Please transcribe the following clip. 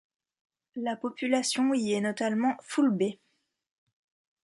La population y est notamment Foulbé.